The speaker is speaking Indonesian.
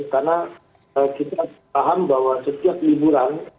karena kita paham bahwa setiap liburan